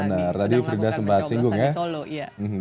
tadi frida sembahat singgung ya